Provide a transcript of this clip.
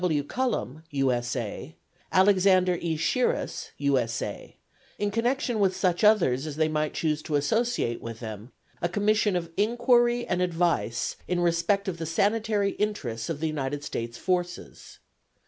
G. W. Cullom, U. S. A.; Alexander E. Shiras, U. S. A., in connection with such others as they might chose to associate with them, "a commission of inquiry and advice in respect of the sanitary interests of the United States forces."